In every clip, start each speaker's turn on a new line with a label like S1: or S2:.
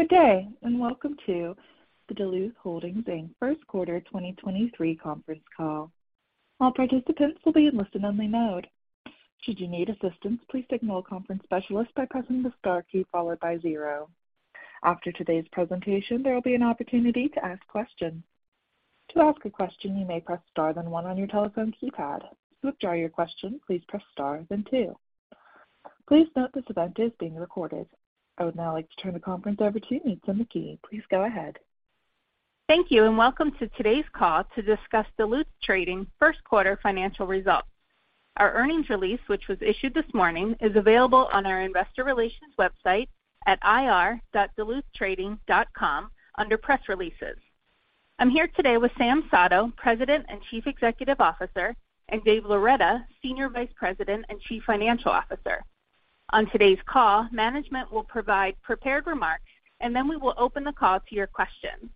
S1: Good day, welcome to the Duluth Holdings Inc. First Quarter 2023 Conference Call. All participants will be in listen-only mode. Should you need assistance, please signal a conference specialist by pressing the Star key followed by 0. After today's presentation, there will be an opportunity to ask questions. To ask a question, you may press Star, then one on your telephone keypad. To withdraw your question, please press Star, then two. Please note this event is being recorded. I would now like to turn the conference over to Nitza McKee. Please go ahead.
S2: Thank you, and welcome to today's call to discuss Duluth Trading first quarter financial results. Our earnings release, which was issued this morning, is available on our investor relations website at ir.duluthtrading.com under Press Releases. I'm here today with Sam Sato, President and Chief Executive Officer, and Heena Agrawal, Senior Vice President and Chief Financial Officer. On today's call, management will provide prepared remarks, and then we will open the call to your questions.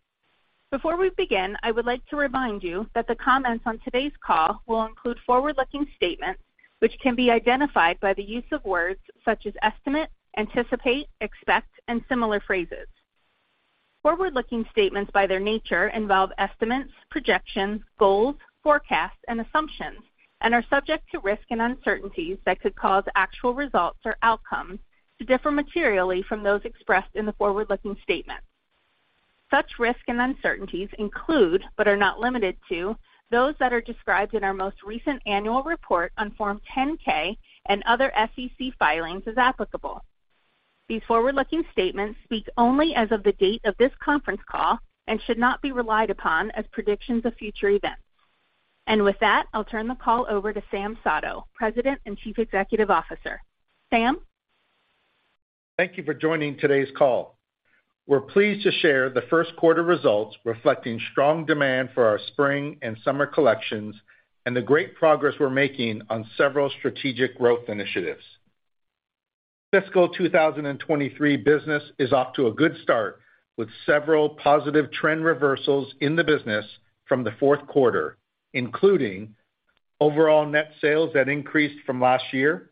S2: Before we begin, I would like to remind you that the comments on today's call will include forward-looking statements, which can be identified by the use of words such as estimate, anticipate, expect, and similar phrases. Forward-looking statements, by their nature, involve estimates, projections, goals, forecasts, and assumptions, and are subject to risks and uncertainties that could cause actual results or outcomes to differ materially from those expressed in the forward-looking statements. Such risks and uncertainties include, but are not limited to, those that are described in our most recent annual report on Form 10-K and other SEC filings as applicable. These forward-looking statements speak only as of the date of this conference call and should not be relied upon as predictions of future events. With that, I'll turn the call over to Sam Sato, President and Chief Executive Officer. Sam?
S3: Thank you for joining today's call. We're pleased to share the first quarter results, reflecting strong demand for our spring and summer collections and the great progress we're making on several strategic growth initiatives. Fiscal 2023 business is off to a good start, with several positive trend reversals in the business from the fourth quarter, including overall net sales that increased from last year,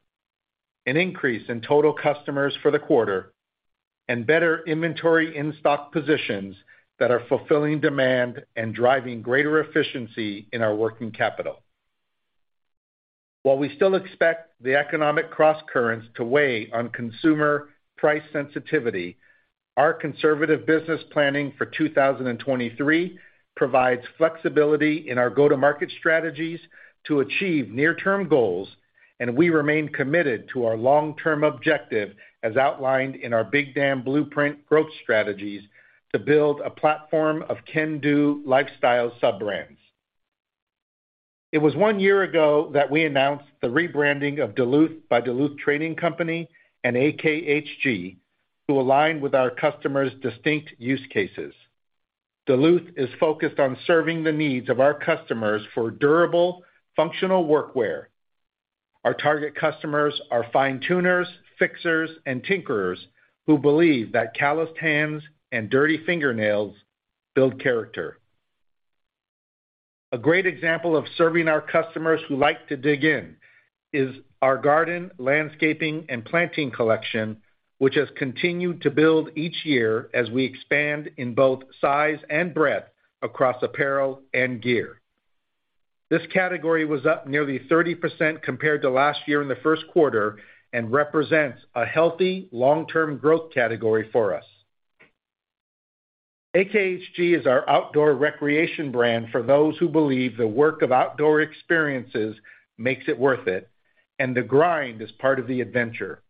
S3: an increase in total customers for the quarter, and better inventory in-stock positions that are fulfilling demand and driving greater efficiency in our working capital. While we still expect the economic crosscurrents to weigh on consumer price sensitivity, our conservative business planning for 2023 provides flexibility in our go-to-market strategies to achieve near-term goals, and we remain committed to our long-term objective, as outlined in our Big Dam Blueprint growth strategies to build a platform of can-do lifestyle sub-brands. It was one year ago that we announced the rebranding of Duluth by Duluth Trading Company and AKHG to align with our customers' distinct use cases. Duluth is focused on serving the needs of our customers for durable, functional workwear. Our target customers are fine tuners, fixers, and tinkerers who believe that calloused hands and dirty fingernails build character. A great example of serving our customers who like to dig in is our garden, landscaping, and planting collection, which has continued to build each year as we expand in both size and breadth across apparel and gear. This category was up nearly 30% compared to last year in the first quarter and represents a healthy long-term growth category for us. AKHG is our outdoor recreation brand for those who believe the work of outdoor experiences makes it worth it, and the grind is part of the adventure.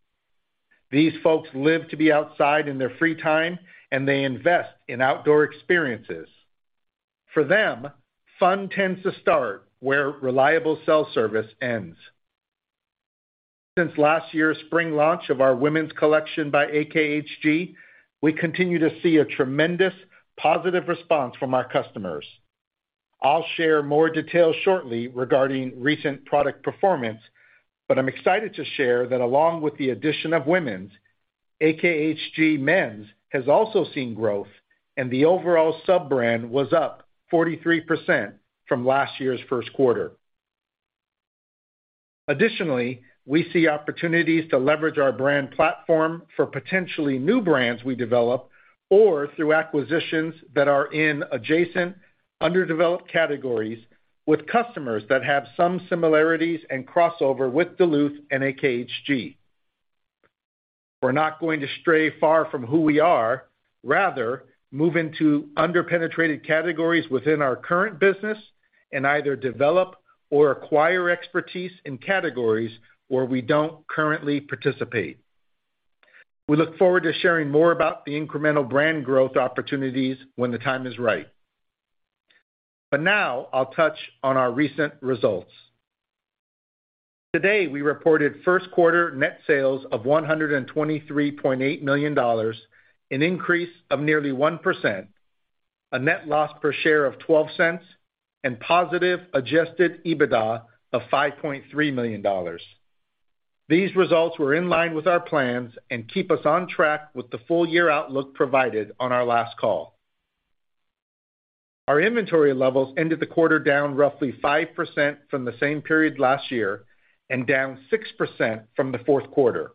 S3: These folks live to be outside in their free time, and they invest in outdoor experiences. For them, fun tends to start where reliable cell service ends. Since last year's spring launch of our women's collection by AKHG, we continue to see a tremendous positive response from our customers. I'll share more details shortly regarding recent product performance, but I'm excited to share that along with the addition of women's, AKHG men's has also seen growth, and the overall sub-brand was up 43% from last year's first quarter. We see opportunities to leverage our brand platform for potentially new brands we develop or through acquisitions that are in adjacent, underdeveloped categories with customers that have some similarities and crossover with Duluth and AKHG. We're not going to stray far from who we are, rather, move into underpenetrated categories within our current business and either develop or acquire expertise in categories where we don't currently participate. We look forward to sharing more about the incremental brand growth opportunities when the time is right. Now I'll touch on our recent results. Today, we reported first quarter net sales of $123.8 million, an increase of nearly 1%, a net loss per share of $0.12, and positive Adjusted EBITDA of $5.3 million. These results were in line with our plans and keep us on track with the full year outlook provided on our last call. Our inventory levels ended the quarter down roughly 5% from the same period last year, and down 6% from the fourth quarter.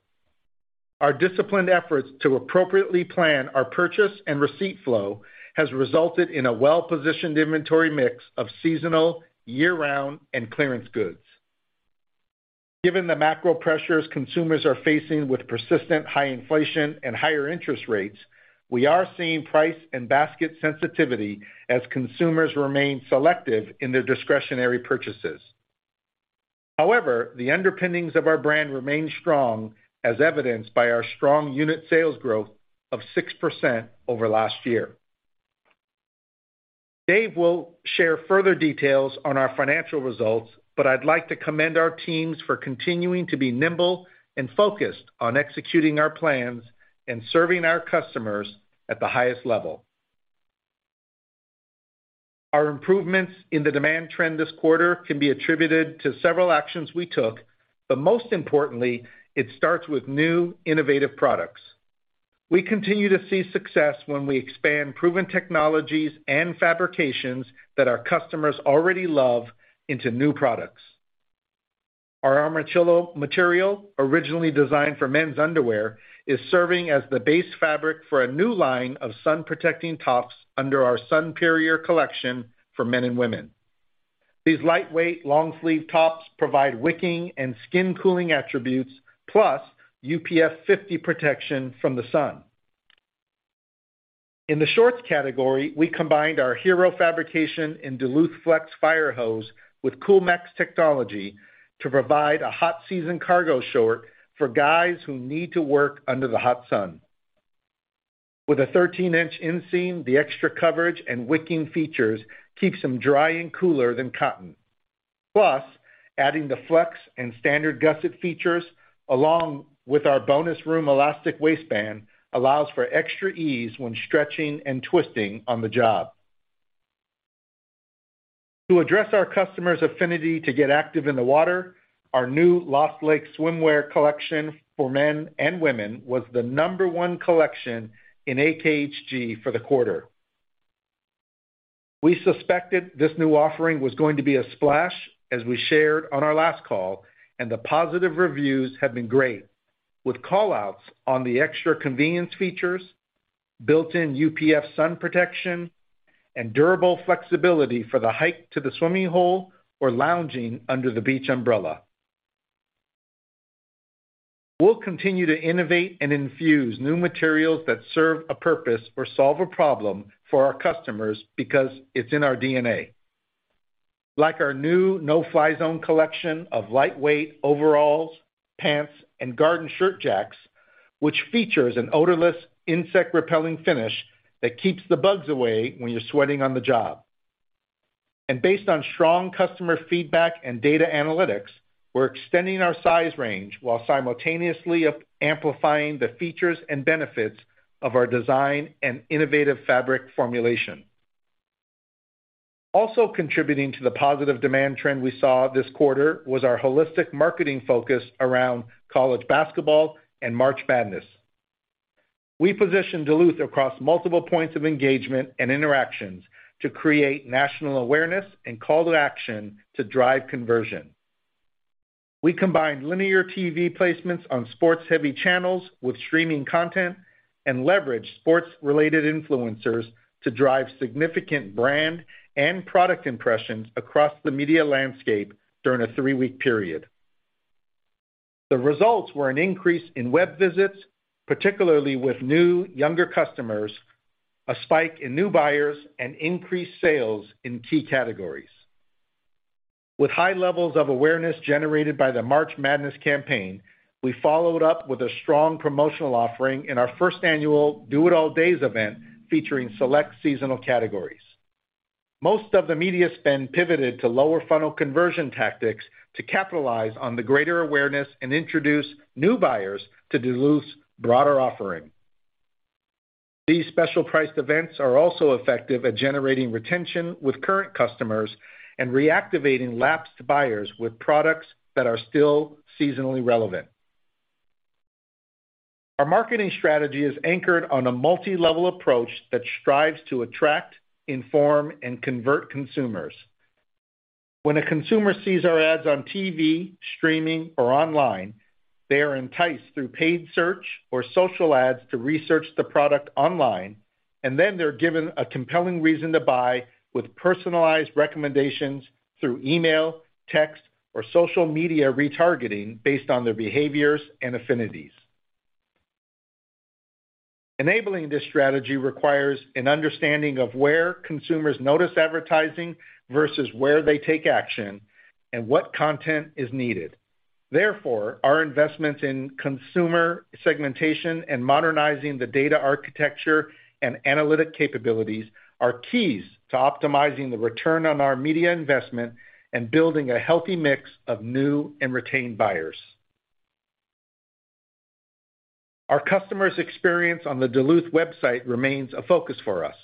S3: Our disciplined efforts to appropriately plan our purchase and receipt flow has resulted in a well-positioned inventory mix of seasonal, year-round, and clearance goods. Given the macro pressures consumers are facing with persistent high inflation and higher interest rates, we are seeing price and basket sensitivity as consumers remain selective in their discretionary purchases. The underpinnings of our brand remain strong, as evidenced by our strong unit sales growth of 6% over last year. Dave will share further details on our financial results. I'd like to commend our teams for continuing to be nimble and focused on executing our plans and serving our customers at the highest level. Our improvements in the demand trend this quarter can be attributed to several actions we took. Most importantly, it starts with new, innovative products. We continue to see success when we expand proven technologies and fabrications that our customers already love into new products. Our Armachillo material, originally designed for men's underwear, is serving as the base fabric for a new line of sun-protecting tops under our Sunperior collection for men and women. These lightweight, long-sleeve tops provide wicking and skin-cooling attributes, plus UPF 50 protection from the sun. In the shorts category, we combined our hero fabrication in Duluth Flex Fire Hose with COOLMAX technology to provide a hot season cargo short for guys who need to work under the hot sun. With a 13-inch inseam, the extra coverage and wicking features keeps them dry and cooler than cotton. Adding the flex and standard gusset features, along with our Bonus Room elastic waistband, allows for extra ease when stretching and twisting on the job. To address our customers' affinity to get active in the water, our new Lost Lake swimwear collection for men and women was the number one collection in AKHG for the quarter. We suspected this new offering was going to be a splash, as we shared on our last call, and the positive reviews have been great, with call-outs on the extra convenience features, built-in UPF sun protection, and durable flexibility for the hike to the swimming hole or lounging under the beach umbrella. We'll continue to innovate and infuse new materials that serve a purpose or solve a problem for our customers because it's in our DNA. Like our new No Fly Zone collection of lightweight overalls, pants, and garden shirt jacks, which features an odorless, insect-repelling finish that keeps the bugs away when you're sweating on the job. Based on strong customer feedback and data analytics, we're extending our size range while simultaneously amplifying the features and benefits of our design and innovative fabric formulation. Also contributing to the positive demand trend we saw this quarter was our holistic marketing focus around college basketball and March Madness. We positioned Duluth across multiple points of engagement and interactions to create national awareness and call to action to drive conversion. We combined linear TV placements on sports-heavy channels with streaming content and leveraged sports-related influencers to drive significant brand and product impressions across the media landscape during a three-week period. The results were an increase in web visits, particularly with new, younger customers, a spike in new buyers, and increased sales in key categories. With high levels of awareness generated by the March Madness campaign, we followed up with a strong promotional offering in our first annual Do It All Days event, featuring select seasonal categories. Most of the media spend pivoted to lower funnel conversion tactics to capitalize on the greater awareness and introduce new buyers to Duluth's broader offering. These special priced events are also effective at generating retention with current customers and reactivating lapsed buyers with products that are still seasonally relevant. Our marketing strategy is anchored on a multilevel approach that strives to attract, inform, and convert consumers. When a consumer sees our ads on TV, streaming, or online, they are enticed through paid search or social ads to research the product online, and then they're given a compelling reason to buy with personalized recommendations through email, text, or social media retargeting based on their behaviors and affinities. Enabling this strategy requires an understanding of where consumers notice advertising versus where they take action and what content is needed. Therefore, our investments in consumer segmentation and modernizing the data architecture and analytic capabilities are keys to optimizing the return on our media investment and building a healthy mix of new and retained buyers. Our customers' experience on the Duluth website remains a focus for us.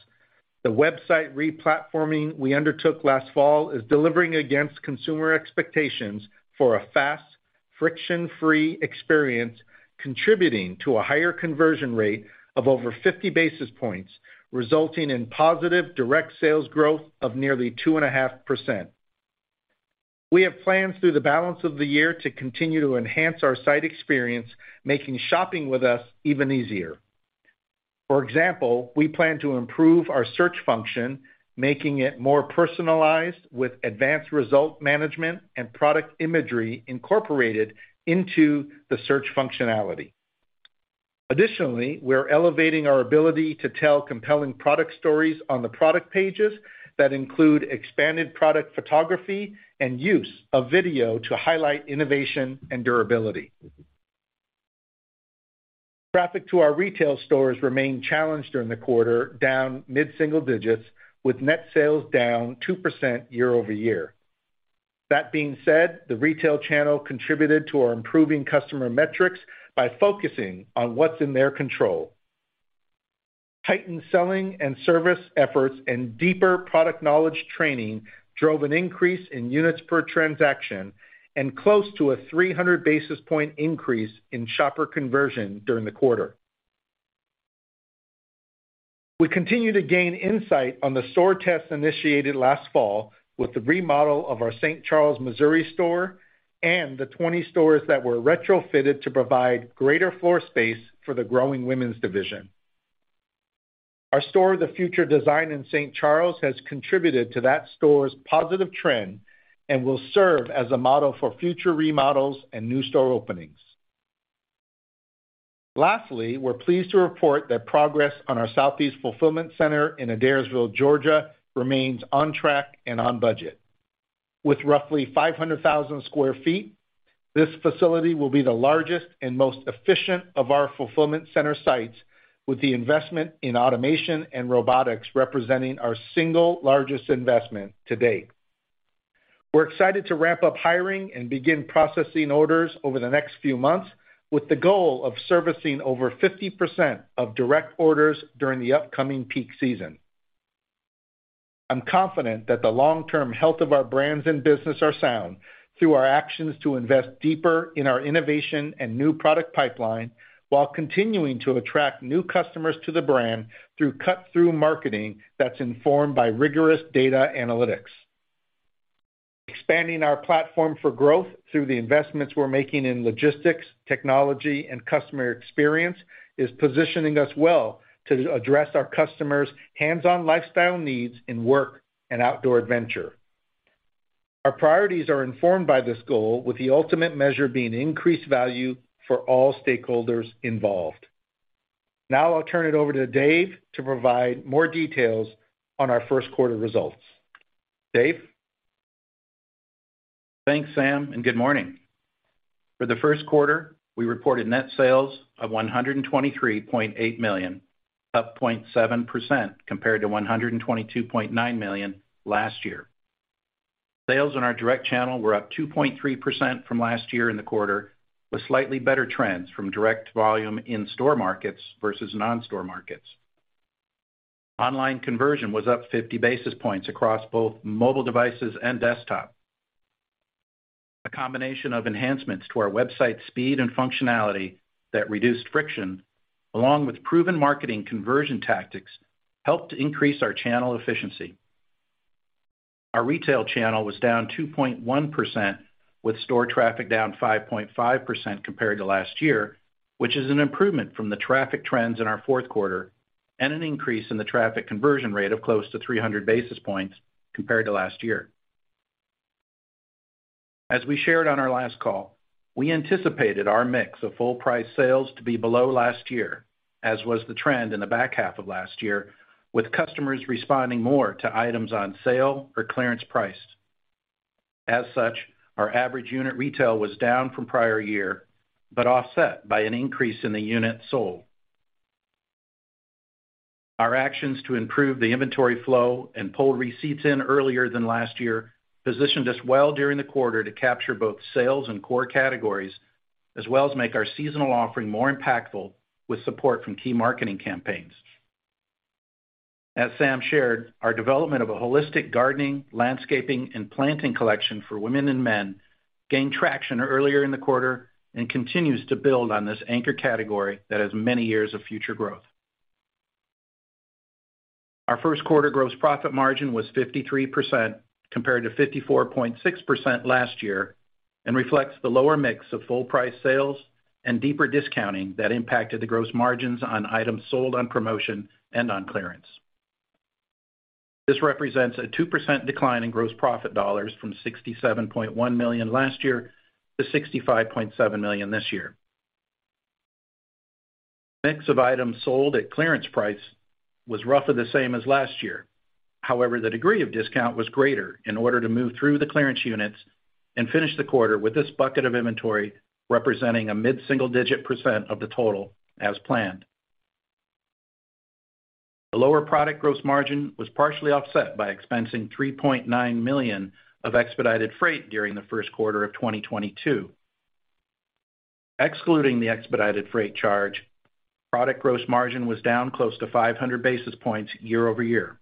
S3: The website Replatforming we undertook last fall is delivering against consumer expectations for a friction-free experience, contributing to a higher conversion rate of over 50 basis points, resulting in positive direct sales growth of nearly 2.5%. We have plans through the balance of the year to continue to enhance our site experience, making shopping with us even easier. For example, we plan to improve our search function, making it more personalized, with advanced result management and product imagery incorporated into the search functionality. We're elevating our ability to tell compelling product stories on the product pages that include expanded product photography and use of video to highlight innovation and durability. Traffic to our retail stores remained challenged during the quarter, down mid-single digits, with net sales down 2% year-over-year. The retail channel contributed to our improving customer metrics by focusing on what's in their control. Tightened selling and service efforts and deeper product knowledge training drove an increase in units per transaction and close to a 300 basis point increase in shopper conversion during the quarter. We continue to gain insight on the store tests initiated last fall with the remodel of our St.Charles, Missouri, store and the 20 stores that were retrofitted to provide greater floor space for the growing women's division. Our Store of the Future design in St. Charles has contributed to that store's positive trend and will serve as a model for future remodels and new store openings. Lastly, we're pleased to report that progress on our Southeast fulfillment center in Adairsville, Georgia, remains on track and on budget. With roughly 500,000 sq ft, this facility will be the largest and most efficient of our fulfillment center sites, with the investment in automation and robotics representing our single largest investment to date. We're excited to ramp up hiring and begin processing orders over the next few months, with the goal of servicing over 50% of direct orders during the upcoming peak season. I'm confident that the long-term health of our brands and business are sound through our actions to invest deeper in our innovation and new product pipeline, while continuing to attract new customers to the brand through cut-through marketing that's informed by rigorous data analytics. Expanding our platform for growth through the investments we're making in logistics, technology, and customer experience is positioning us well to address our customers' hands-on lifestyle needs in work and outdoor adventure. Our priorities are informed by this goal, with the ultimate measure being increased value for all stakeholders involved. I'll turn it over to Heena to provide more details on our first quarter results. Heena?
S4: Thanks, Sam. Good morning. For the first quarter, we reported net sales of $123.8 million, up 0.7% compared to $122.9 million last year. Sales in our direct channel were up 2.3% from last year in the quarter, with slightly better trends from direct volume in store markets versus non-store markets. Online conversion was up 50 basis points across both mobile devices and desktop. A combination of enhancements to our website speed and functionality that reduced friction, along with proven marketing conversion tactics, helped increase our channel efficiency. Our retail channel was down 2.1%, with store traffic down 5.5% compared to last year, which is an improvement from the traffic trends in our fourth quarter and an increase in the traffic conversion rate of close to 300 basis points compared to last year. We shared on our last call, we anticipated our mix of full price sales to be below last year, as was the trend in the back half of last year, with customers responding more to items on sale or clearance price. Our average unit retail was down from prior year, but offset by an increase in the units sold. Our actions to improve the inventory flow and pull receipts in earlier than last year positioned us well during the quarter to capture both sales and core categories, as well as make our seasonal offering more impactful with support from key marketing campaigns. As Sam shared, our development of a holistic gardening, landscaping, and planting collection for women and men gained traction earlier in the quarter and continues to build on this anchor category that has many years of future growth. Our first quarter gross profit margin was 53%, compared to 54.6% last year, and reflects the lower mix of full price sales and deeper discounting that impacted the gross margins on items sold on promotion and on clearance. This represents a 2% decline in gross profit dollars from $67.1 million last year to $65.7 million this year. Mix of items sold at clearance price was roughly the same as last year. The degree of discount was greater in order to move through the clearance units and finish the quarter with this bucket of inventory representing a mid-single-digit % of the total, as planned. The lower product gross margin was partially offset by expensing $3.9 million of expedited freight during the first quarter of 2022. Excluding the expedited freight charge, product gross margin was down close to 500 basis points year-over-year.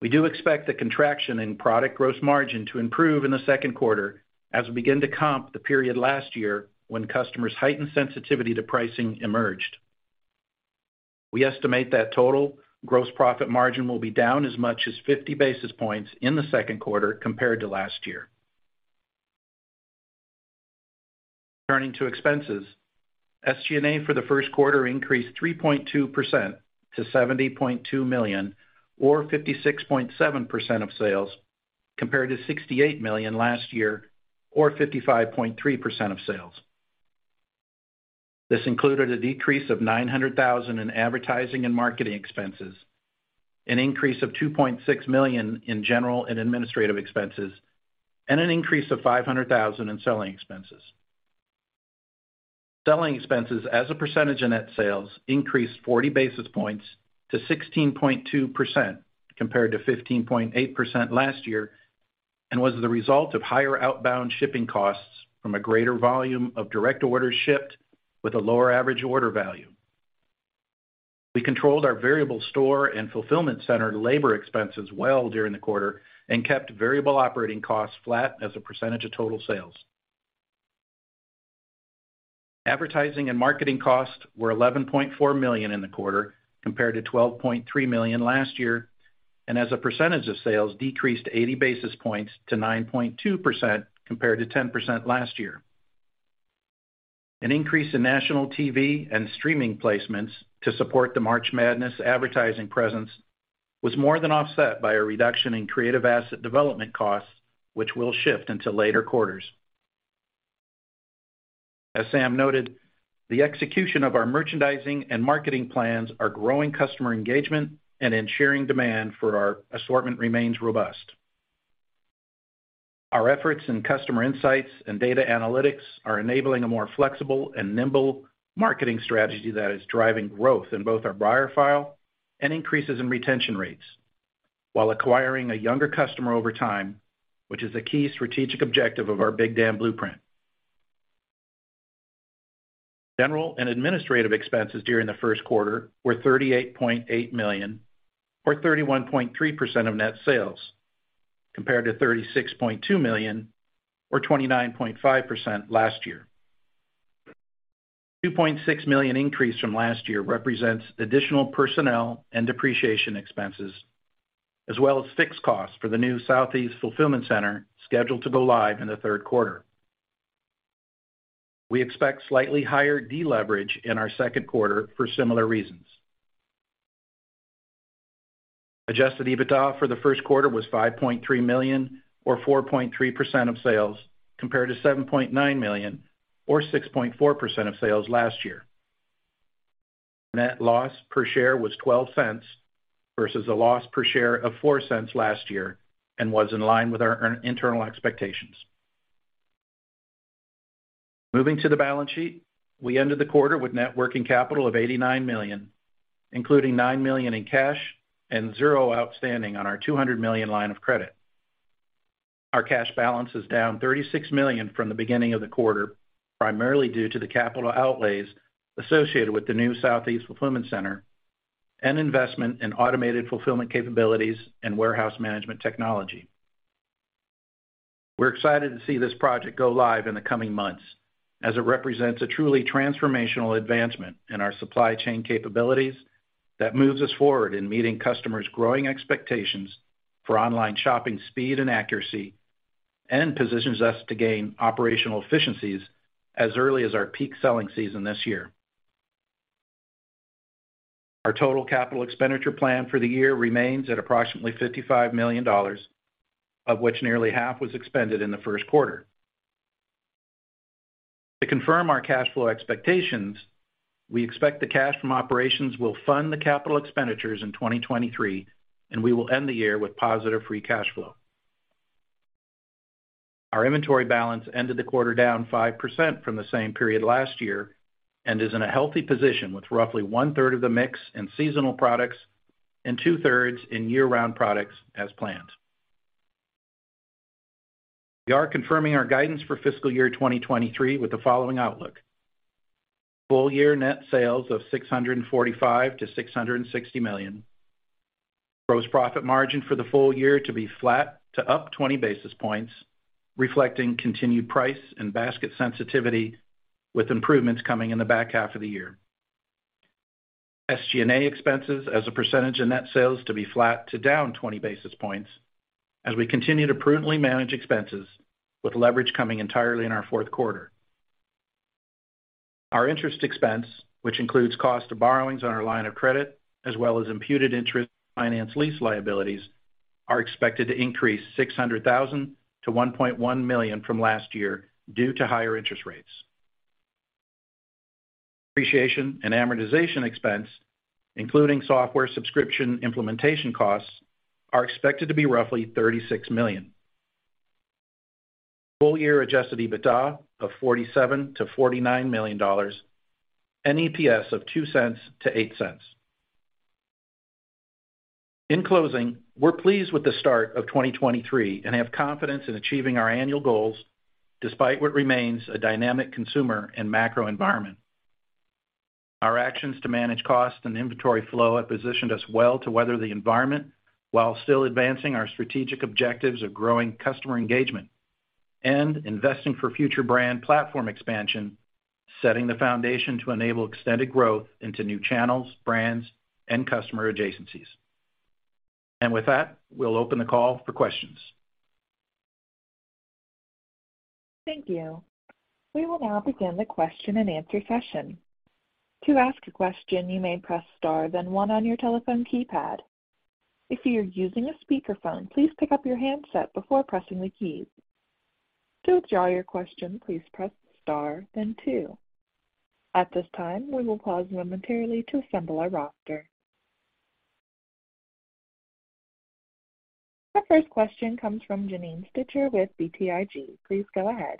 S4: We do expect the contraction in product gross margin to improve in the second quarter as we begin to comp the period last year, when customers' heightened sensitivity to pricing emerged. We estimate that total gross profit margin will be down as much as 50 basis points in the second quarter compared to last year. Turning to expenses, SG&A for the first quarter increased 3.2% to $70.2 million, or 56.7% of sales, compared to $68 million last year, or 55.3% of sales. This included a decrease of $900,000 in advertising and marketing expenses, an increase of $2.6 million in general and administrative expenses, and an increase of $500,000 in selling expenses. Selling expenses as a percentage of net sales increased 40 basis points to 16.2%, compared to 15.8% last year, and was the result of higher outbound shipping costs from a greater volume of direct orders shipped with a lower average order value. We controlled our variable store and fulfillment center labor expenses well during the quarter and kept variable operating costs flat as a percentage of total sales. Advertising and marketing costs were $11.4 million in the quarter, compared to $12.3 million last year. As a percentage of sales, decreased 80 basis points to 9.2%, compared to 10% last year. An increase in national TV and streaming placements to support the March Madness advertising presence was more than offset by a reduction in creative asset development costs, which will shift into later quarters. As Sam noted, the execution of our merchandising and marketing plans are growing customer engagement. Ensuring demand for our assortment remains robust. Our efforts in customer insights and data analytics are enabling a more flexible and nimble marketing strategy that is driving growth in both our buyer file and increases in retention rates, while acquiring a younger customer over time, which is a key strategic objective of our Big Dam Blueprint. General and administrative expenses during the first quarter were $38.8 million, or 31.3% of net sales, compared to $36.2 million, or 29.5% last year. $2.6 million increase from last year represents additional personnel and depreciation expenses, as well as fixed costs for the new Southeast Fulfillment Center, scheduled to go live in the third quarter. We expect slightly higher deleverage in our second quarter for similar reasons. Adjusted EBITDA for the first quarter was $5.3 million, or 4.3% of sales, compared to $7.9 million, or 6.4% of sales last year. Net loss per share was $0.12, versus a loss per share of $0.04 last year, and was in line with our internal expectations. Moving to the balance sheet, we ended the quarter with net working capital of $89 million, including $9 million in cash and zero outstanding on our $200 million line of credit. Our cash balance is down $36 million from the beginning of the quarter, primarily due to the capital outlays associated with the new Southeast Fulfillment Center and investment in automated fulfillment capabilities and warehouse management technology. We're excited to see this project go live in the coming months, as it represents a truly transformational advancement in our supply chain capabilities that moves us forward in meeting customers' growing expectations for online shopping, speed and accuracy, and positions us to gain operational efficiencies as early as our peak selling season this year. Our total capital expenditure plan for the year remains at approximately $55 million, of which nearly half was expended in the first quarter. To confirm our cash flow expectations, we expect the cash from operations will fund the capital expenditures in 2023. We will end the year with positive free cash flow. Our inventory balance ended the quarter down 5% from the same period last year, and is in a healthy position with roughly one third of the mix in seasonal products and two-thirds in year-round products as planned. We are confirming our guidance for fiscal year 2023 with the following outlook: full year net sales of $645 million-$660 million. Gross profit margin for the full year to be flat to up 20 basis points, reflecting continued price and basket sensitivity, with improvements coming in the back half of the year. SG&A expenses as a percentage of net sales to be flat to down 20 basis points as we continue to prudently manage expenses with leverage coming entirely in our fourth quarter. Our interest expense, which includes cost of borrowings on our line of credit, as well as imputed interest finance lease liabilities, are expected to increase $600,000-$1.1 million from last year due to higher interest rates. Depreciation and amortization expense, including software subscription implementation costs, are expected to be roughly $36 million. Full year Adjusted EBITDA of $47 million-$49 million, and EPS of $0.02-$0.08. In closing, we're pleased with the start of 2023 and have confidence in achieving our annual goals, despite what remains a dynamic consumer and macro environment. Our actions to manage cost and inventory flow have positioned us well to weather the environment, while still advancing our strategic objectives of growing customer engagement and investing for future brand platform expansion, setting the foundation to enable extended growth into new channels, brands, and customer adjacencies. With that, we'll open the call for questions.
S1: Thank you. We will now begin the Q&A session. To ask a question, you may press star, then one on your telephone keypad. If you're using a speakerphone, please pick up your handset before pressing the keys. To withdraw your question, please press star, then two. At this time, we will pause momentarily to assemble our roster. Our first question comes from Janine Stichter with BTIG. Please go ahead.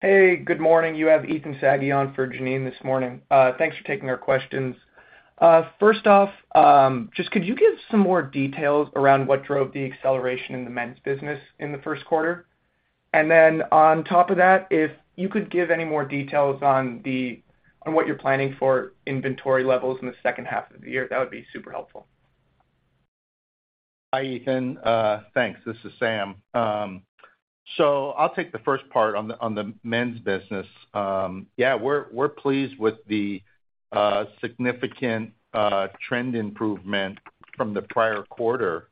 S5: Hey, good morning. You have Ethan Saghi on for Janine this morning. Thanks for taking our questions. First off, just could you give some more details around what drove the acceleration in the men's business in the first quarter? Then on top of that, if you could give any more details on what you're planning for inventory levels in the second half of the year, that would be super helpful.
S3: Hi, Ethan. Thanks. This is Sam. I'll take the first part on the men's business. Yeah, we're pleased with the significant trend improvement from the prior quarter.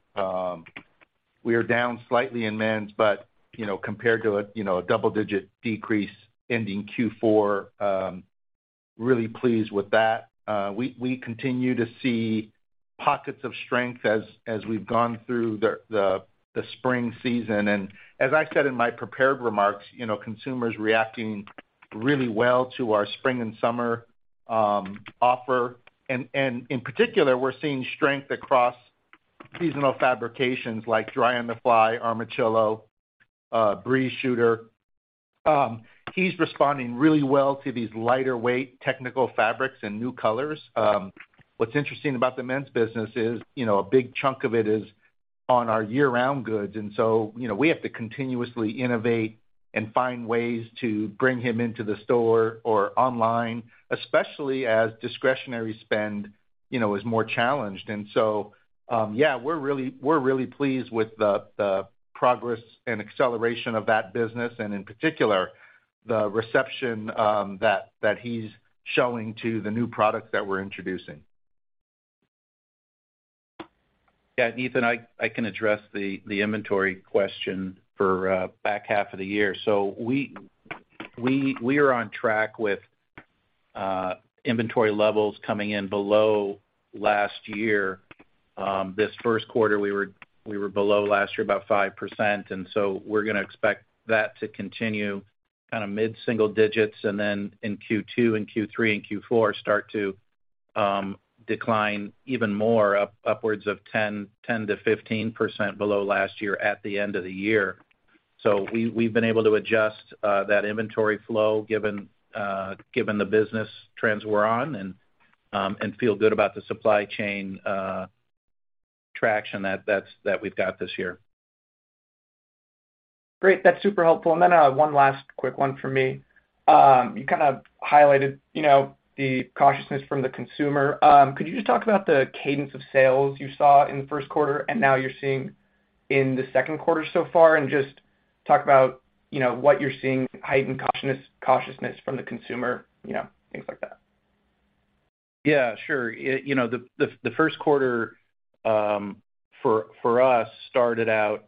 S3: We are down slightly in men's, but, you know, compared to a, you know, a double-digit decrease ending Q4, really pleased with that. We continue to see pockets of strength as we've gone through the spring season. As I said in my prepared remarks, you know, consumers reacting really well to our spring and summer offer. In particular, we're seeing strength across seasonal fabrications like Dry on the Fly, Armachillo, Breeze Shooter. He's responding really well to these lighter weight technical fabrics and new colors. What's interesting about the men's business is, you know, a big chunk of it is on our year-round goods, and so, you know, we have to continuously innovate and find ways to bring him into the store or online, especially as discretionary spend, you know, is more challenged. Yeah, we're really, we're really pleased with the progress and acceleration of that business, and in particular, the reception that he's showing to the new products that we're introducing.
S4: Yeah, Ethan, I can address the inventory question for back half of the year. We are on track with inventory levels coming in below last year. This first quarter, we were below last year, about 5%, and so we're gonna expect that to continue kind of mid-single digits, and then in Q2 and Q3 and Q4, start to decline even more, upwards of 10%-15% below last year at the end of the year. We've been able to adjust that inventory flow given the business trends we're on, and feel good about the supply chain traction that we've got this year.
S5: Great. That's super helpful. Then, one last quick one for me. You kind of highlighted, you know, the cautiousness from the consumer. Could you just talk about the cadence of sales you saw in the first quarter and now you're seeing in the second quarter so far, and just talk about, you know, what you're seeing, heightened cautiousness from the consumer, you know, things like that?
S4: Sure. You know, the first quarter, for us, started out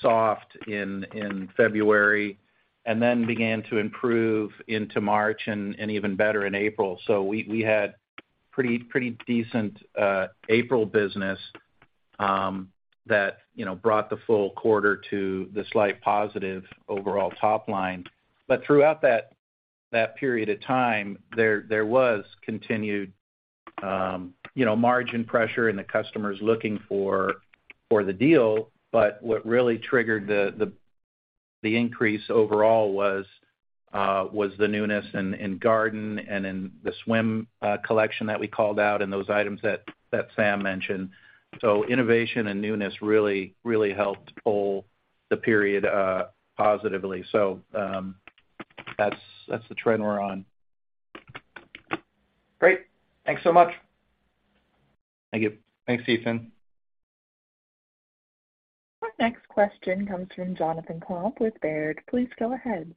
S4: soft in February, and then began to improve into March and even better in April. We had pretty decent April business that, you know, brought the full quarter to the slight positive overall top line. Throughout that period of time, there was continued, you know, margin pressure and the customers looking for the deal. What really triggered the increase overall was the newness in garden and in the swim collection that we called out and those items that Sam mentioned. Innovation and newness really helped pull the period positively. That's the trend we're on.
S5: Great. Thanks so much.
S4: Thank you.
S3: Thanks, Ethan.
S1: Our next question comes from Jonathan Komp with Baird. Please go ahead.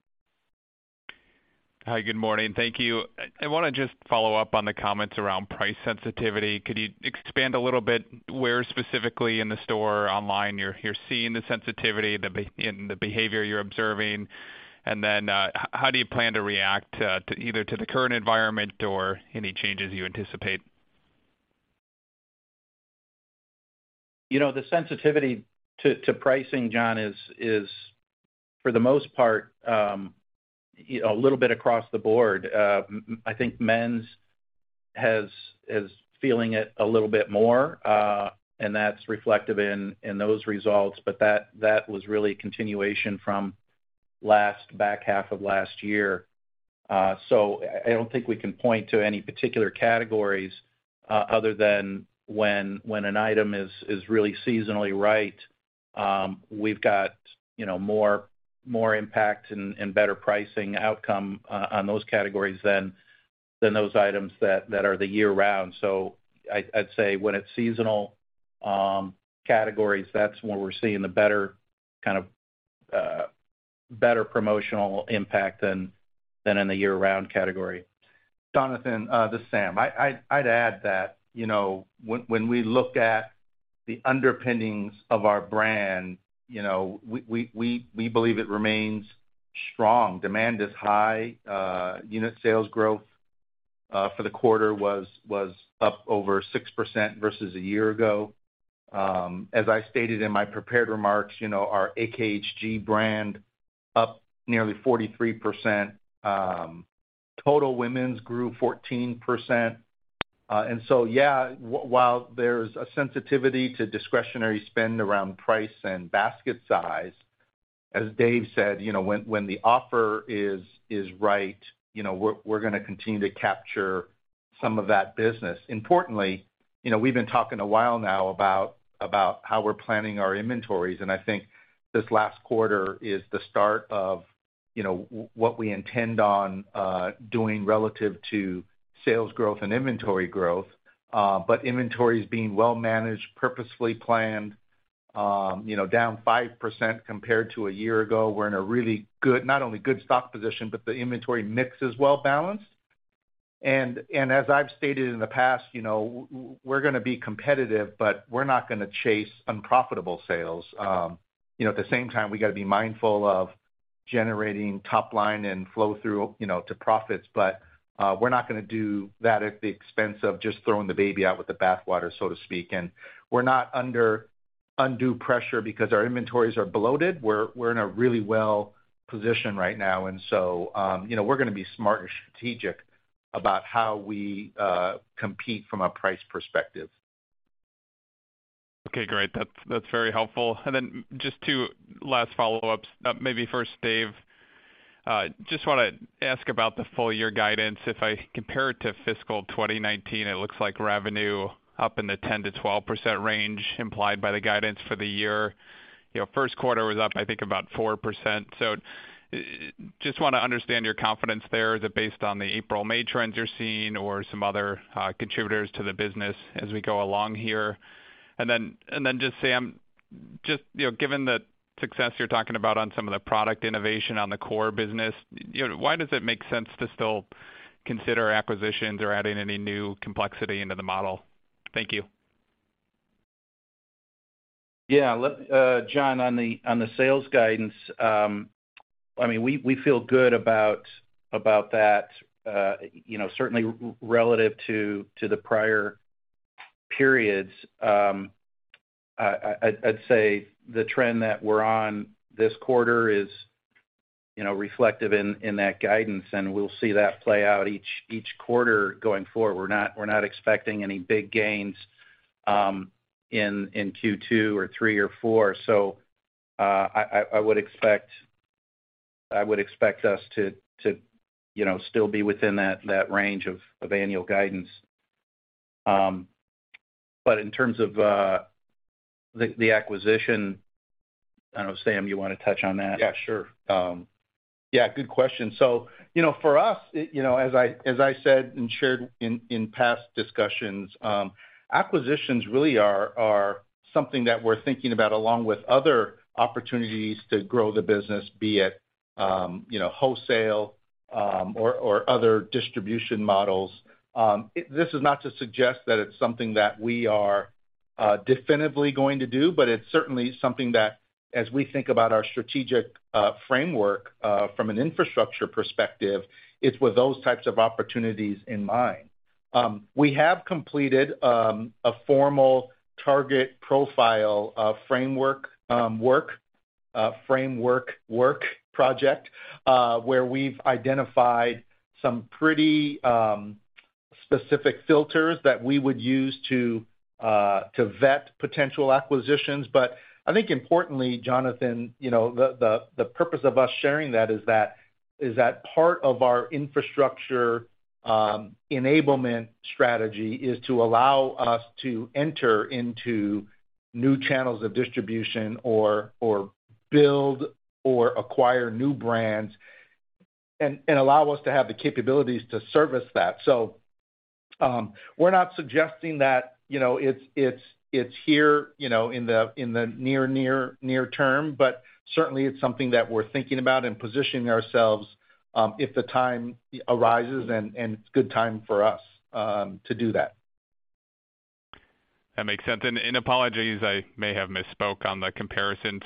S6: Hi, good morning. Thank you. I wanna just follow up on the comments around price sensitivity. Could you expand a little bit where specifically in the store or online you're seeing the sensitivity and the behavior you're observing? Then how do you plan to react to either to the current environment or any changes you anticipate?
S4: You know, the sensitivity to pricing, John, is for the most part a little bit across the board. I think men's is feeling it a little bit more, and that's reflective in those results, but that was really a continuation from back half of last year. I don't think we can point to any particular categories other than when an item is really seasonally right. We've got, you know, more impact and better pricing outcome on those categories than those items that are the year round. I'd say when it's seasonal categories, that's where we're seeing the better kind of better promotional impact than in the year-round category.
S3: Jonathan, this is Sam. I'd add that, you know, when we look at the underpinnings of our brand, you know, we believe it remains strong. Demand is high. Unit sales growth for the quarter was up over 6% versus a year ago. As I stated in my prepared remarks, you know, our AKHG brand up nearly 43%. Total women's grew 14%. Yeah, while there's a sensitivity to discretionary spend around price and basket size, as Dave said, you know, when the offer is right, you know, we're gonna continue to capture some of that business. Importantly, you know, we've been talking a while now about how we're planning our inventories, and I think this last quarter is the start of, you know, what we intend on doing relative to sales growth and inventory growth. Inventory is being well managed, purposefully planned, you know, down 5% compared to a year ago. We're in a really good, not only good stock position, but the inventory mix is well balanced. As I've stated in the past, you know, we're gonna be competitive, but we're not gonna chase unprofitable sales. You know, at the same time, we got to be mindful of generating top line and flow through, you know, to profits, but we're not gonna do that at the expense of just throwing the baby out with the bathwater, so to speak. We're not under undue pressure because our inventories are bloated. We're in a really well position right now. You know, we're gonna be smart and strategic about how we compete from a price perspective.
S6: Okay, great. That's very helpful. Just two last follow-ups. Maybe first, Dave, just want to ask about the full year guidance. If I compare it to fiscal 2019, it looks like revenue up in the 10%-12% range implied by the guidance for the year. You know, first quarter was up, I think, about 4%. Just want to understand your confidence there. Is it based on the April, May trends you're seeing or some other contributors to the business as we go along here? Just, Sam, just, you know, given the success you're talking about on some of the product innovation on the core business, you know, why does it make sense to still consider acquisitions or adding any new complexity into the model? Thank you.
S4: Yeah, John, on the sales guidance, I mean, we feel good about that. you know, certainly relative to the prior periods, I'd say the trend that we're on this quarter is, you know, reflective in that guidance, and we'll see that play out each quarter going forward. We're not expecting any big gains in Q2 or 3 or 4. I would expect us to, you know, still be within that range of annual guidance. In terms of the acquisition, I don't know, Sam, you want to touch on that?
S3: Yeah, sure. Yeah, good question. You know, for us, you know, as I said and shared in past discussions, acquisitions really are something that we're thinking about along with other opportunities to grow the business, be it wholesale or other distribution models. This is not to suggest that it's something that we are definitively going to do, but it's certainly something that as we think about our strategic framework from an infrastructure perspective, it's with those types of opportunities in mind. We have completed a formal target profile framework work project where we've identified some pretty specific filters that we would use to vet potential acquisitions. I think importantly, Jonathan, you know, the purpose of us sharing that is that part of our infrastructure, enablement strategy is to allow us to enter into new channels of distribution or build or acquire new brands and allow us to have the capabilities to service that. We're not suggesting that, you know, it's here, you know, in the near term, but certainly, it's something that we're thinking about and positioning ourselves, if the time arises and it's a good time for us, to do that.
S6: That makes sense. Apologies, I may have misspoke on the comparison.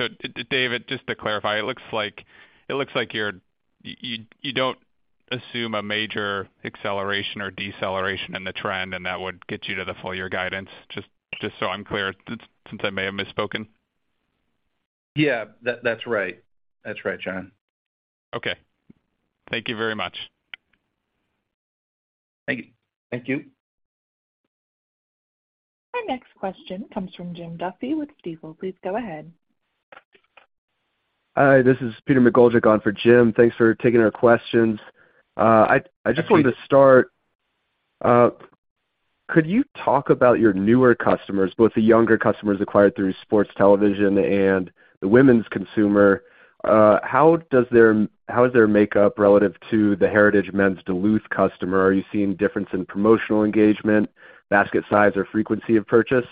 S6: David, just to clarify, it looks like you don't assume a major acceleration or deceleration in the trend, that would get you to the full year guidance. Just so I'm clear, since I may have misspoken.
S4: Yeah, that's right.
S3: That's right, John.
S6: Okay. Thank you very much.
S4: Thank you.
S3: Thank you.
S1: Our next question comes from Jim Duffy with Stifel. Please go ahead.
S7: Hi, this is Peter McGoldrick on for Jim. Thanks for taking our questions. I just wanted to start, could you talk about your newer customers, both the younger customers acquired through sports television and the women's consumer? How is their makeup relative to the heritage men's Duluth customer? Are you seeing difference in promotional engagement, basket size, or frequency of purchase?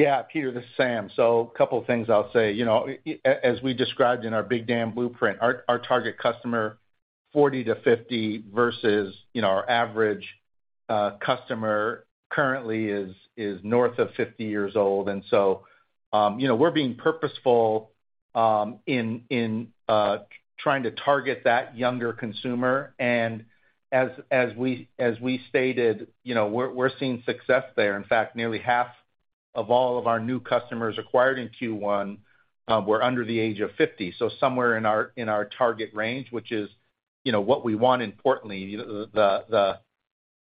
S3: Yeah, Peter, this is Sam. A couple of things I'll say. You know, as we described in our Big Dam Blueprint, our target customer, 40 to 50 versus, you know, our average customer currently is north of 50 years old. You know, we're being purposeful in trying to target that younger consumer. As we stated, you know, we're seeing success there. In fact, nearly half of all of our new customers acquired in Q1, were under the age of 50. Somewhere in our target range, which is, you know, what we want importantly.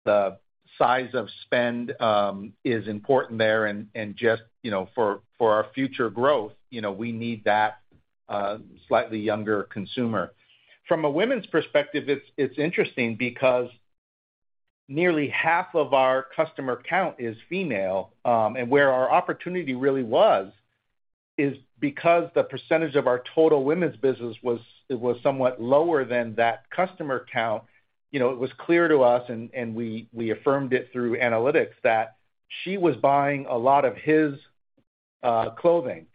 S3: The size of spend is important there, and just, you know, for our future growth, you know, we need that slightly younger consumer. From a women's perspective, it's interesting because nearly half of our customer count is female. Where our opportunity really was because the percentage of our total women's business was somewhat lower than that customer count, you know, it was clear to us, and we affirmed it through analytics, that she was buying a lot of his clothing.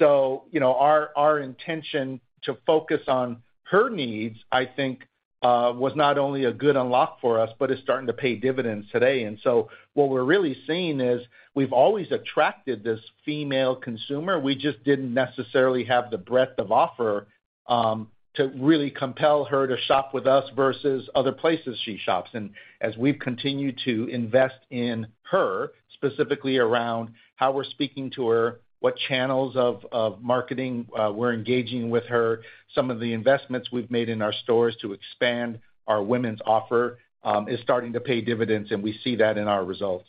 S3: Our intention to focus on her needs, I think was not only a good unlock for us, but is starting to pay dividends today. What we're really seeing is we've always attracted this female consumer. We just didn't necessarily have the breadth of offer to really compel her to shop with us versus other places she shops. As we've continued to invest in her, specifically around how we're speaking to her, what channels of marketing, we're engaging with her, some of the investments we've made in our stores to expand our women's offer, is starting to pay dividends, and we see that in our results.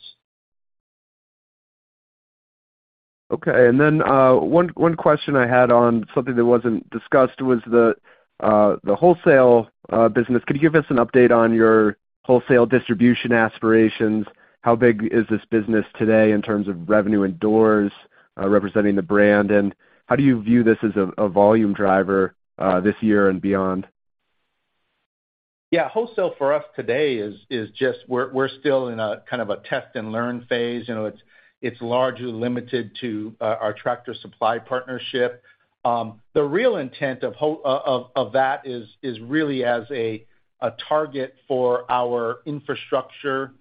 S7: Okay. One question I had on something that wasn't discussed was the wholesale business. Could you give us an update on your wholesale distribution aspirations? How big is this business today in terms of revenue and doors, representing the brand? How do you view this as a volume driver, this year and beyond?
S3: Yeah, wholesale for us today is just we're still in a kind of a test and learn phase. You know, it's largely limited to our Tractor Supply partnership. The real intent of that is really as a target for our infrastructure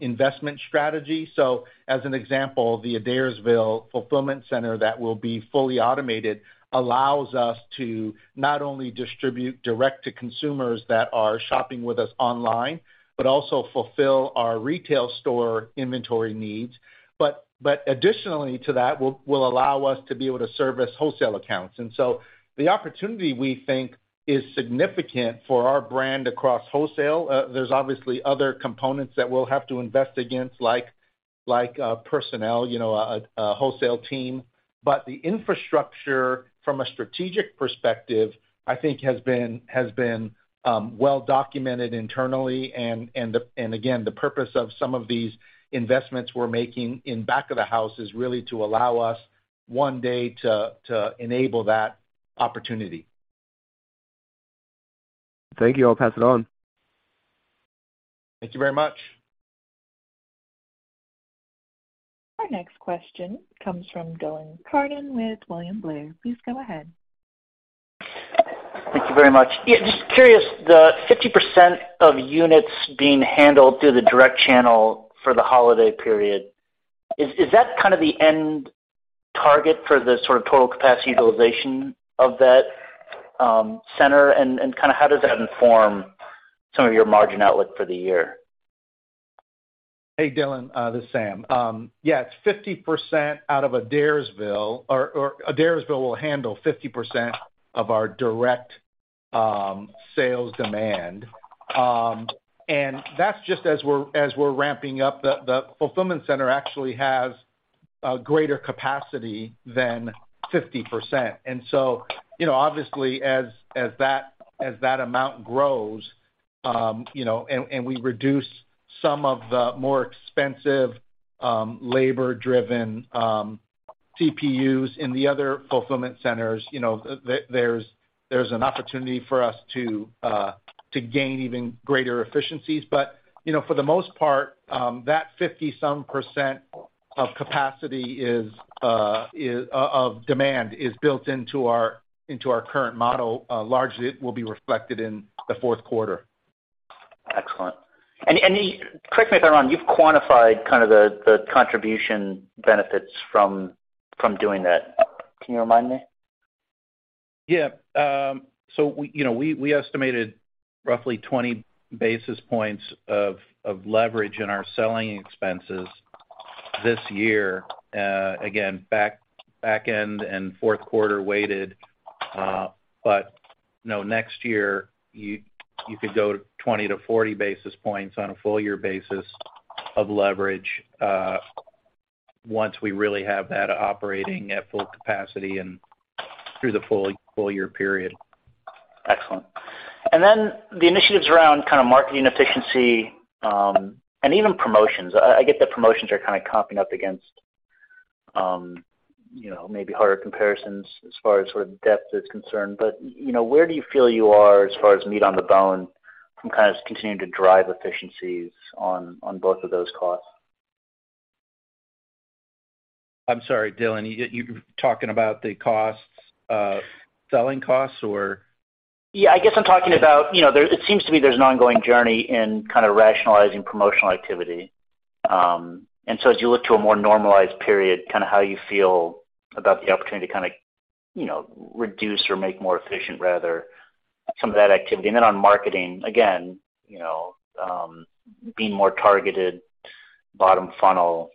S3: investment strategy. As an example, the Adairsville fulfillment center that will be fully automated allows us to not only distribute direct to consumers that are shopping with us online, but also fulfill our retail store inventory needs. Additionally to that, will allow us to be able to service wholesale accounts. The opportunity, we think, is significant for our brand across wholesale. There's obviously other components that we'll have to invest against, like personnel, you know, a wholesale team. The infrastructure from a strategic perspective, I think has been well documented internally. Again, the purpose of some of these investments we're making in back of the house is really to allow us one day to enable that opportunity.
S7: Thank you. I'll pass it on.
S3: Thank you very much.
S1: Our next question comes from Dylan Carden with William Blair. Please go ahead.
S8: Thank you very much. Yeah, just curious, the 50% of units being handled through the direct channel for the holiday period, is that kind of the end target for the sort of total capacity utilization of that center? How does that inform some of your margin outlook for the year?
S3: Hey, Dylan, this is Sam. Yeah, it's 50% out of Adairsville or Adairsville will handle 50% of our direct sales demand. That's just as we're ramping up. The fulfillment center actually has a greater capacity than 50%. You know, obviously, as that amount grows, you know, and we reduce some of the more expensive, labor-driven CPUs in the other fulfillment centers, you know, there's an opportunity for us to gain even greater efficiencies. You know, for the most part, that 50-some percent of capacity is of demand is built into our current model, largely it will be reflected in the fourth quarter.
S8: Excellent. Correct me if I'm wrong, you've quantified kind of the contribution benefits from doing that. Can you remind me?
S4: Yeah. you know, we estimated roughly 20 basis points of leverage in our selling expenses this year, again, back end and fourth-quarter weighted. Next year, you could go 20 to 40 basis points on a full year basis of leverage, once we really have that operating at full capacity and through the full year period.
S8: Excellent. The initiatives around kind of marketing efficiency, and even promotions. I get that promotions are kind of comping up against, you know, maybe harder comparisons as far as sort of depth is concerned. You know, where do you feel you are as far as meat on the bone from kind of continuing to drive efficiencies on both of those costs?
S4: I'm sorry, Dylan, you talking about the costs of selling costs or?
S8: Yeah, I guess I'm talking about, you know, it seems to me there's an ongoing journey in kind of rationalizing promotional activity. As you look to a more normalized period, kind of how you feel about the opportunity to kind of, you know, reduce or make more efficient, rather, some of that activity. On marketing, again, you know, being more targeted bottom funnel,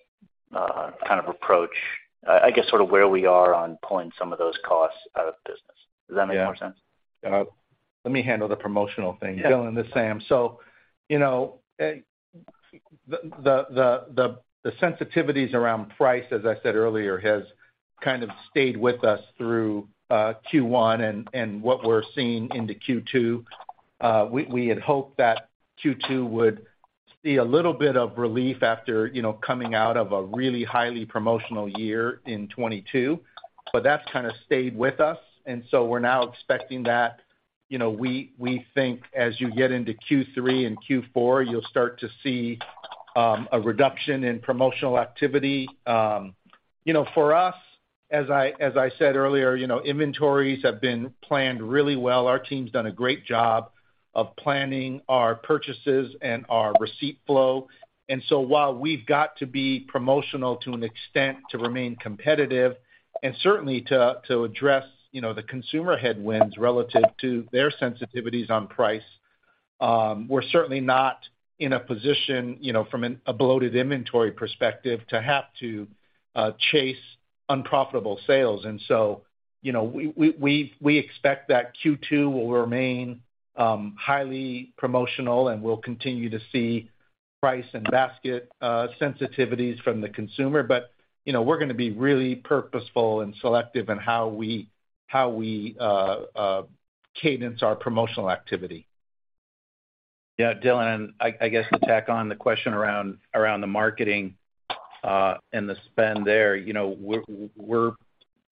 S8: kind of approach, I guess sort of where we are on pulling some of those costs out of the business. Does that make more sense?
S4: Yeah. Let me handle the promotional thing.
S8: Yeah.
S3: Dylan, this is Sam. You know, the sensitivities around price, as I said earlier, has kind of stayed with us through Q1 and what we're seeing into Q2. We had hoped that Q2 would see a little bit of relief after, you know, coming out of a really highly promotional year in 2022, but that's kind of stayed with us. We're now expecting that, you know, we think as you get into Q3 and Q4, you'll start to see a reduction in promotional activity. You know, for us, as I said earlier, you know, inventories have been planned really well. Our team's done a great job of planning our purchases and our receipt flow. While we've got to be promotional to an extent to remain competitive and certainly to address, you know, the consumer headwinds relative to their sensitivities on price, we're certainly not in a position, you know, from a bloated inventory perspective, to have to chase unprofitable sales. You know, we expect that Q2 will remain highly promotional, and we'll continue to see price and basket sensitivities from the consumer. You know, we're gonna be really purposeful and selective in how we cadence our promotional activity.
S4: Yeah, Dylan, and I guess to tack on the question around the marketing, and the spend there, you know,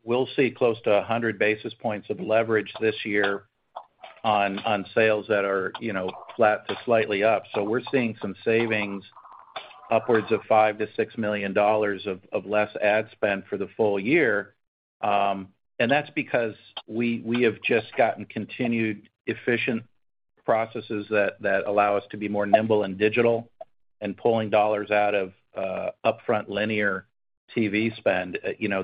S4: we'll see close to 100 basis points of leverage this year on sales that are, you know, flat to slightly up. We're seeing some savings upwards of $5 million-$6 million of less ad spend for the full year. That's because we have just gotten continued efficient processes that allow us to be more nimble and digital in pulling dollars out of upfront linear TV spend. You know,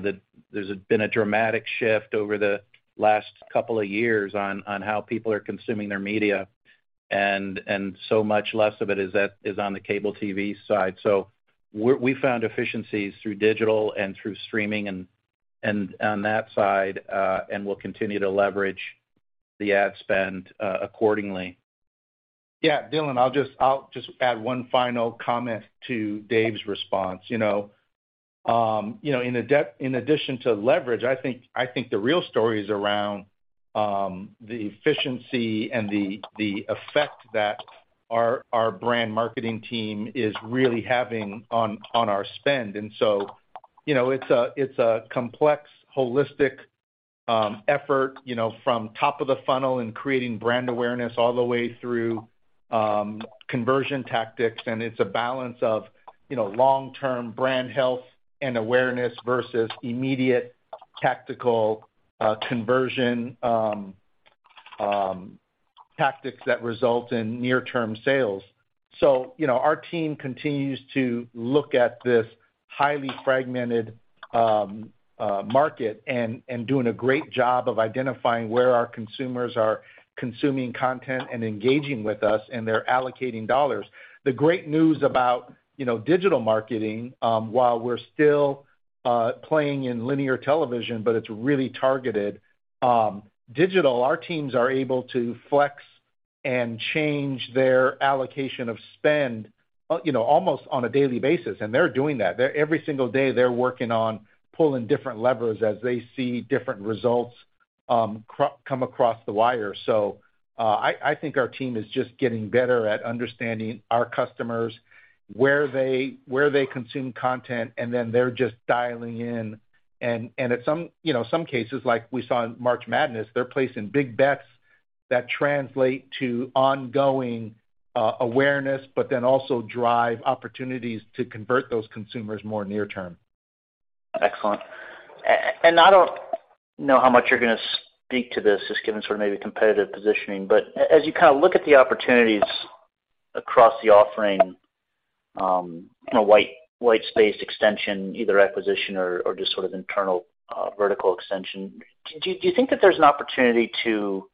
S4: there's been a dramatic shift over the last couple of years on how people are consuming their media, and so much less of it is on the cable TV side. We found efficiencies through digital and through streaming and on that side, and we'll continue to leverage the ad spend accordingly.
S3: Dylan, I'll just add one final comment to Dave's response. You know, in addition to leverage, I think the real story is around the efficiency and the effect that our brand marketing team is really having on our spend. You know, it's a complex, holistic effort, you know, from top of the funnel in creating brand awareness all the way through conversion tactics. It's a balance of, you know, long-term brand health and awareness versus immediate tactical conversion tactics that result in near-term sales. You know, our team continues to look at this highly fragmented market and doing a great job of identifying where our consumers are consuming content and engaging with us, and they're allocating dollars. The great news about, you know, digital marketing, while we're still playing in linear television, it's really targeted digital. Our teams are able to flex and change their allocation of spend, you know, almost on a daily basis. They're doing that. Every single day, they're working on pulling different levers as they see different results come across the wire. I think our team is just getting better at understanding our customers, where they, where they consume content. They're just dialing in. At some, you know, some cases, like we saw in March Madness, they're placing big bets that translate to ongoing awareness, also drive opportunities to convert those consumers more near term.
S8: Excellent. I don't know how much you're gonna speak to this, just given sort of maybe competitive positioning. As you kind of look at the opportunities across the offering, you know, white space extension, either acquisition or just sort of internal, vertical extension, do you think that there's an opportunity to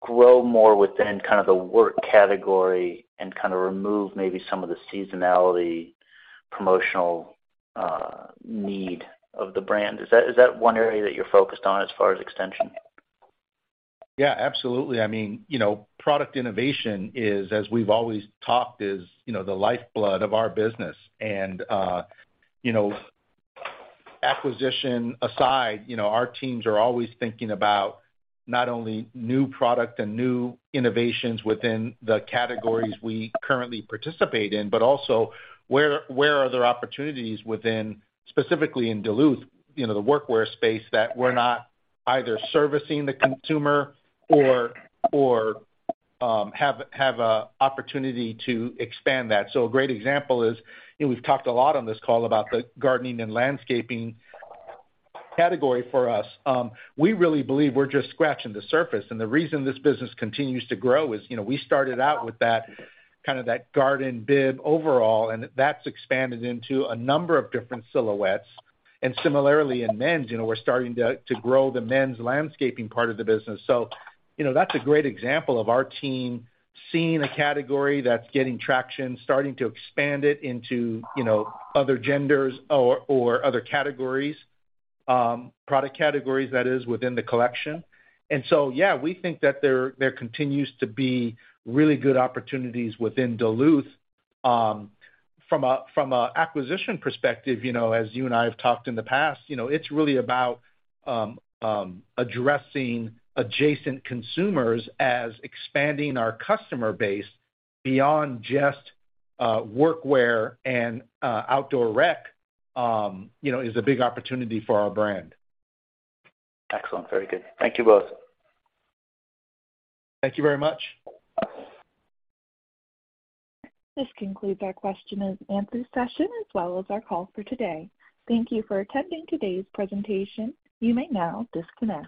S8: grow more within kind of the work category and kind of remove maybe some of the seasonality, promotional, need of the brand? Is that one area that you're focused on as far as extension?
S3: Yeah, absolutely. I mean, you know, product innovation is, as we've always talked, is, you know, the lifeblood of our business. Acquisition aside, you know, our teams are always thinking about not only new product and new innovations within the categories we currently participate in, but also where are there opportunities within, specifically in Duluth, you know, the workwear space, that we're not either servicing the consumer or have a opportunity to expand that. A great example is, you know, we've talked a lot on this call about the gardening and landscaping category for us. We really believe we're just scratching the surface. The reason this business continues to grow is, you know, we started out with that, kind of that garden bib overall, and that's expanded into a number of different silhouettes. Similarly, in men's, you know, we're starting to grow the men's landscaping part of the business. You know, that's a great example of our team seeing a category that's getting traction, starting to expand it into, you know, other genders or other categories, product categories, that is, within the collection. Yeah, we think that there continues to be really good opportunities within Duluth. From a acquisition perspective, you know, as you and I have talked in the past, you know, it's really about addressing adjacent consumers as expanding our customer base beyond just workwear and outdoor rec, you know, is a big opportunity for our brand.
S8: Excellent. Very good. Thank you both.
S3: Thank you very much.
S1: This concludes our Q&A session, as well as our Call for today. Thank you for attending today's presentation. You may now disconnect.